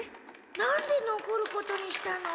なんでのこることにしたの？